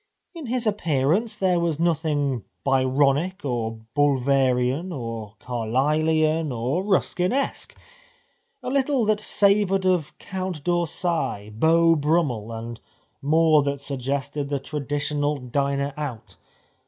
In his appearance there was nothing Byronic, or Bulwerian, or Carlylean, or Ruskinesque ; a little that savoured of Count d'Orsay, Beau Brummel, and more that suggested the tradi tional diner out.